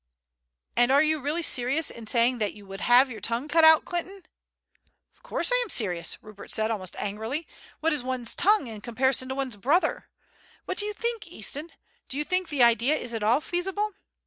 "And are you really serious in saying that you would have your tongue cut out, Clinton?" "Of course I am serious," Rupert said, almost angrily. "What is one's tongue in comparison to one's brother? What do you think, Easton? Do you think the idea is at all feasible?